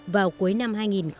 vào cuối năm hai nghìn một mươi bảy